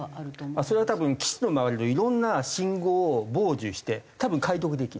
それは多分基地の周りのいろんな信号を傍受して多分解読できる。